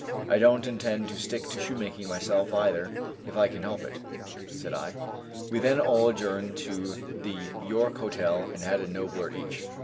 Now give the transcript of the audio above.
"I don't intend to stick to shoemaking myself either if I can help it," said I. We then all adjourned to the York Hotel and had a nobbler each.